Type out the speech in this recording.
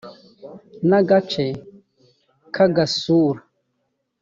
n agace ka gasura